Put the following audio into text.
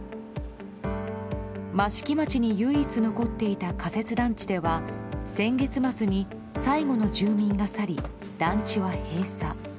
益城町に唯一残っていた仮設団地では先月末に最後の住民が去り団地は閉鎖。